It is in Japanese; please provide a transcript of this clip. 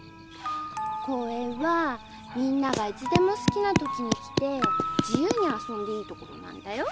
公園はみんながいつでも好きなときに来て自由に遊んでいい所なんだよ。